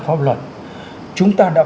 pháp luật chúng ta đã